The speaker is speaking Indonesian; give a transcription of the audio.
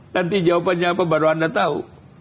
nanti jawabannya apa baru anda tahu